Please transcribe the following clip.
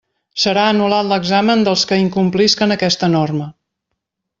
Serà anul·lat l'examen dels que incomplisquen aquesta norma.